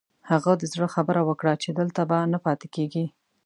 هغه د زړه خبره وکړه چې دلته به نه پاتې کېږي.